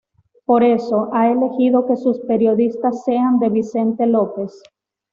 Por eso, ha elegido que sus periodistas sean de Vicente López.